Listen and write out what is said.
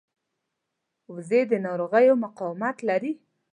وزې د ناروغیو مقاومت لري